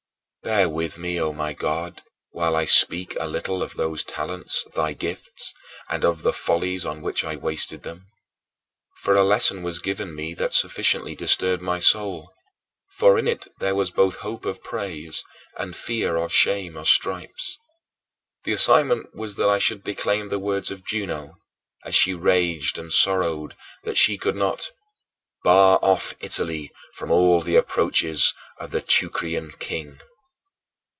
Bear with me, O my God, while I speak a little of those talents, thy gifts, and of the follies on which I wasted them. For a lesson was given me that sufficiently disturbed my soul, for in it there was both hope of praise and fear of shame or stripes. The assignment was that I should declaim the words of Juno, as she raged and sorrowed that she could not "Bar off Italy From all the approaches of the Teucrian king."